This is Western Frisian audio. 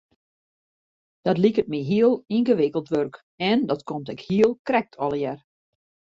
Dat liket my heel yngewikkeld wurk en dat komt ek heel krekt allegear.